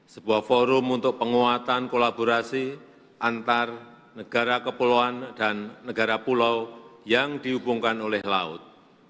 sebuah forum untuk penguatan kolaborasi antar negara kepulauan dan negara pulau yang dihubungkan oleh laut